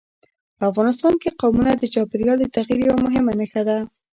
په افغانستان کې قومونه د چاپېریال د تغیر یوه مهمه نښه ده.